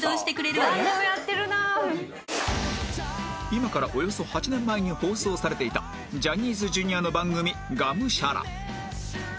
今からおよそ８年前に放送されていたジャニーズ Ｊｒ． の番組『ガムシャラ！』